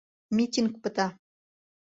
— Митинг пыта.